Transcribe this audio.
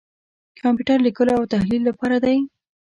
کمپیوټر لیکلو او تحلیل لپاره دی.